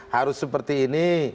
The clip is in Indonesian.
harus seperti ini